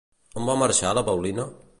On va marxar la Paulina?